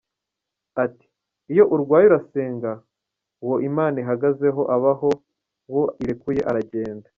Ati “Iyo urwaye urasenga, uwo Imana ihagazeho abaho, uwo irekuye aragenda.